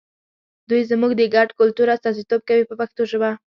دوی زموږ د ګډ کلتور استازیتوب کوي په پښتو ژبه.